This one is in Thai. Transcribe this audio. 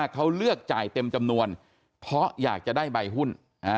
เขาเลือกจ่ายเต็มจำนวนเพราะอยากจะได้ใบหุ้น